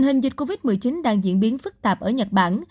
nhiều chính quyền địa phương đang diễn biến phức tạp ở nhật bản